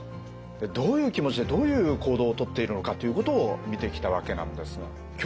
どういう気持ちでどういう行動を取っているのかということを見てきたわけなんですが今日は？